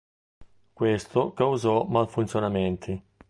Questo causò malfunzionamenti.